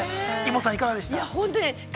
イモさん、いかがでしたか。